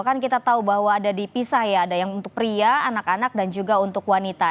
kan kita tahu bahwa ada dipisah ya ada yang untuk pria anak anak dan juga untuk wanita